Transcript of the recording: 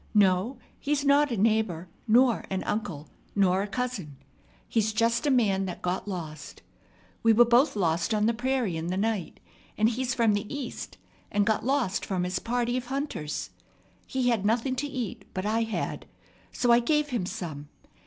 No, he's not a neighbor, nor an uncle, nor a cousin. He's just a man that got lost. We were both lost on the prairie in the night; and he's from the East, and got lost from his party of hunters. He had nothing to eat, but I had; so I gave him some.